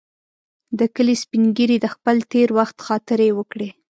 د کلي سپین ږیري د خپل تېر وخت خاطرې وکړې.